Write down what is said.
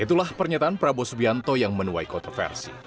itulah pernyataan prabowo subianto yang menuai kontroversi